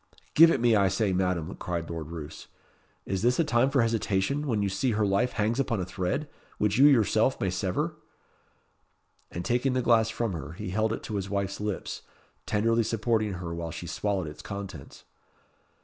"Give it me, I say, Madam," cried Lord Roos. "Is this a time for hesitation, when you see her life hangs upon a thread, which you yourself may sever?" And taking the glass from her, he held it to his wife's lips; tenderly supporting her while she swallowed its contents.